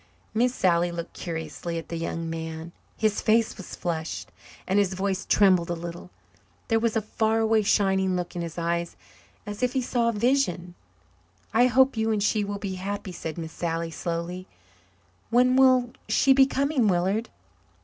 Miss Sally looked curiously at the young man. His face was flushed and his voice trembled a little. There was a far away shining look in his eyes as if he saw a vision. "I hope you and she will be happy," said Miss Sally slowly. "When will she be coming, Willard?"